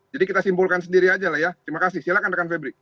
jadi kita simpulkan sendiri aja lah ya terima kasih silakan rekan febri